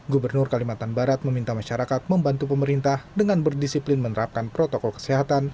gubernur kalimantan barat meminta masyarakat membantu pemerintah dengan berdisiplin menerapkan protokol kesehatan